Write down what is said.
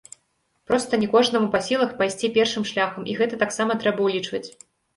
Проста не кожнаму па сілах пайсці першым шляхам і гэта таксама трэба ўлічваць.